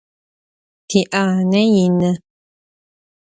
Ti'ane yinı.